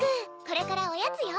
これからおやつよ！